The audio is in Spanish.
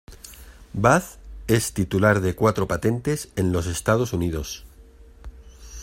Bath es titular de cuatro patentes en los Estados Unidos.